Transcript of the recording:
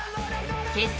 結成